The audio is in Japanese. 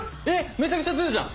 めちゃくちゃ強いじゃん！